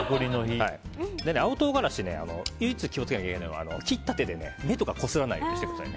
青唐辛子、唯一気をつけなきゃいけないのが切った手で目とかこすらないようにしてください。